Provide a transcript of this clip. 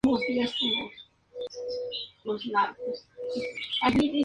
Constaba de un grupo único integrado por doce clubes de toda la geografía montenegrina.